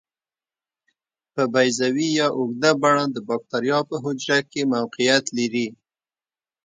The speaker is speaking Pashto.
په بیضوي یا اوږده بڼه د باکتریا په حجره کې موقعیت لري.